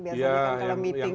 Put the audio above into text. biasanya kan kalau meeting